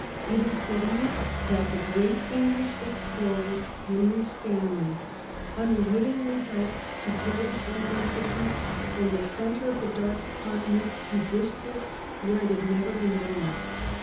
It is believed that the great English explorer, Henry Stanley, unwittingly helped to carry sleeping sickness from the centre of the Dark Continent to districts where it had never been known.